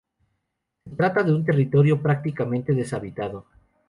Se trata de un territorio prácticamente deshabitado.